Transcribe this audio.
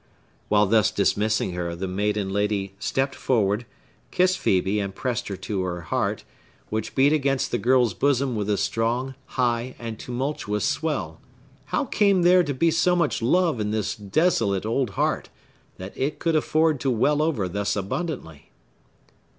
While thus dismissing her, the maiden lady stept forward, kissed Phœbe, and pressed her to her heart, which beat against the girl's bosom with a strong, high, and tumultuous swell. How came there to be so much love in this desolate old heart, that it could afford to well over thus abundantly?